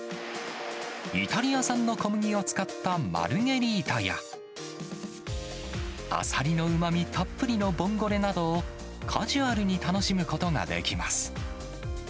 イタリア産の小麦を使ったマルゲリータや、アサリのうまみたっぷりのボンゴレなどを、カジュアルに楽しむことができます。